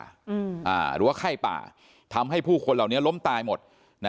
หรือว่าไข้ป่าทำให้ผู้คนเหล่านี้ล้มตายหมดนะ